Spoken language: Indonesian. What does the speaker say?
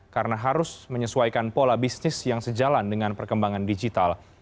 karena harus menyesuaikan pola bisnis yang sejalan dengan perkembangan digital